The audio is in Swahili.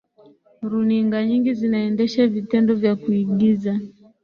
runinga nyingi zinaendesha vitendo vya kuigiza